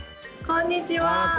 こんにちは。